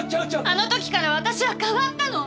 あの時から私は変わったの！